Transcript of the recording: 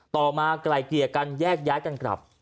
ต่อมาไกลเกียร์กันแยกย้ายกันกลับ